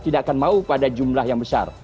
tidak akan mau pada jumlah yang besar